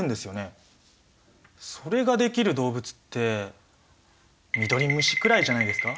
それができる動物ってミドリムシくらいじゃないですか？